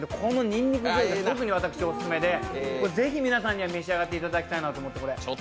にんにく醤油が特にオススメでぜひ、皆さんには召し上がっていただきたいなと思って。